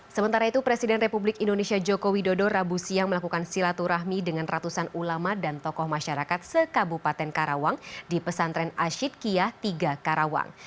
sementara itu presiden republik indonesia joko widodo rabu siang melakukan silaturahmi dengan ratusan ulama dan tokoh masyarakat sekabupaten karawang di pesantren asyidkiyah tiga karawang